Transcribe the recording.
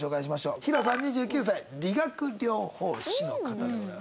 ヒロさん２９歳理学療法士の方でございます。